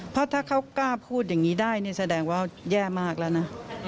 เพราะถ้าเขากล้าพูดอย่างนี้ได้แสดงว่าแย่มากแล้วนะ